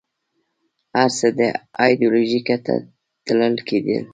هر څه ایدیالوژیکه تله تلل کېدل